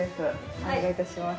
お願いいたします。